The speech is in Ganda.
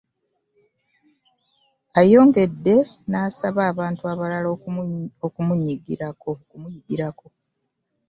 Ayongedde n'asaba abantu abalala okumuyigirako.